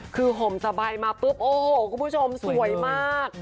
คือห่มสบายมาปุ๊บโอ้โหคุณผู้ชมสวยมาก